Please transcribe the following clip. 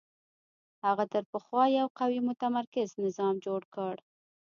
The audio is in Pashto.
هغه تر پخوا یو قوي متمرکز نظام جوړ کړ